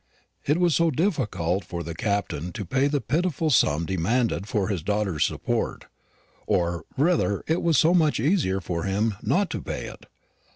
It was so difficult for the Captain to pay the pitiful sum demanded for his daughter's support or rather it was so much easier for him not to pay it.